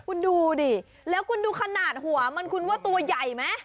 คุณดูดิแล้วคุณดูขนาดหัวมันคุณว่าตัวใหญ่ไหม